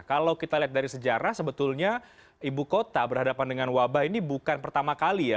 kalau kita lihat dari sejarah sebetulnya ibu kota berhadapan dengan wabah ini bukan pertama kali ya